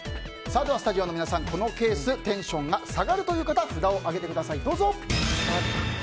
スタジオの皆さん、このケーステンションが下がるという方は札を上げてください。